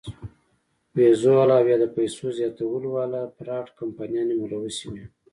وېزو واله او يا د پېسو زياتولو واله فراډ کمپنيانې ملوثې وي -